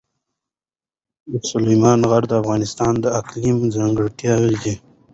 سلیمان غر د افغانستان د اقلیم ځانګړتیا ده.